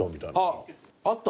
あっあった？